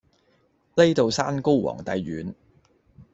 呢度山高皇帝遠